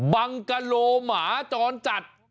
บังกะโลหมาจรจัด